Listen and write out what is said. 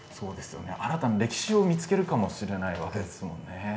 新たな歴史を見つけるかもしれないわけですものね。